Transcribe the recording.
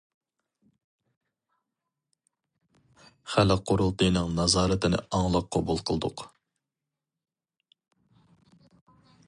خەلق قۇرۇلتىيىنىڭ نازارىتىنى ئاڭلىق قوبۇل قىلدۇق.